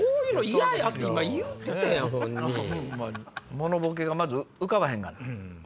モノボケがまず浮かばへんがな。